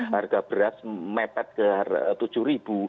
harga beras mepet ke rp tujuh